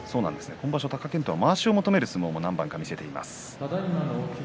今場所は貴健斗、まわしを求める相撲を何番か見せています。